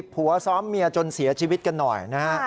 ผัวซ้อมเมียจนเสียชีวิตกันหน่อยนะฮะ